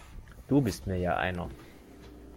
Du bist mir ja einer!